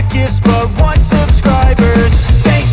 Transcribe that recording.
saya seneng dua jauh lagi dikuat